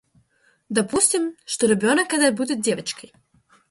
Допустим, что ребенок этот будет девочкой.